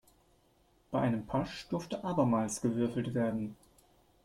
Bei einem Pasch durfte abermals gewürfelt werden.